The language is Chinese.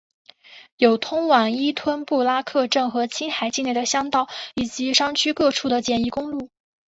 有通往依吞布拉克镇和青海境内的乡道以及山区各处的简易公路。